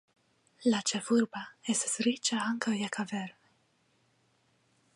La ĉefurba estas riĉa ankaŭ je kavernoj.